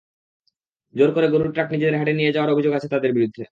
জোর করে গরুর ট্রাক নিজেদের হাটে নিয়ে যাওয়ার অভিযোগ আছে তাঁদের বিরুদ্ধে।